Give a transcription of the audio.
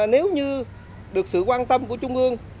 nếu như được sự quan tâm của trung ương